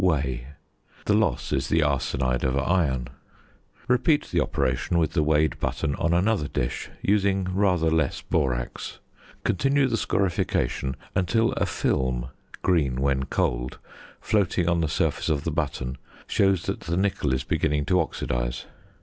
Weigh: the loss is the arsenide of iron. Repeat the operation with the weighed button on another dish, using rather less borax. Continue the scorification until a film, green when cold, floating on the surface of the button shows that the nickel is beginning to oxidise.